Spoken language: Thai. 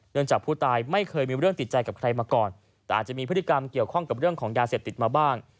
จากผู้ตายไม่เคยมีเรื่องติดใจกับใครมาก่อนแต่อาจจะมีพฤติกรรมเกี่ยวข้องกับเรื่องของยาเสพติดมาบ้าง